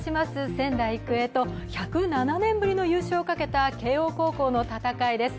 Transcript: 仙台育英と１０７年ぶりの優勝をかけた慶応高校の戦いです。